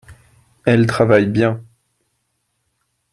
Elle travaille bien.